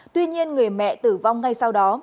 tuy nhiên người mẹ tử vong ngay sau đó